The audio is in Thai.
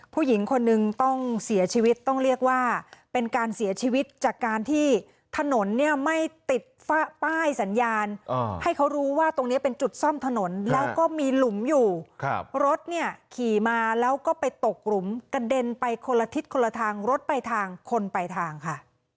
ผู้หญิงคนนึงต้องเสียชีวิตต้องเรียกว่าเป็นการเสียชีวิตจากการที่ถนนเนี่ยไม่ติดป้ายสัญญาณให้เขารู้ว่าตรงนี้เป็นจุดซ่อมถนนแล้วก็มีหลุมอยู่รถเนี่ยขี่มาแล้วก็ไปตกหลุมกระเด็นไปคนละทิศคนละทางรถไปทางคนไปทางค่ะ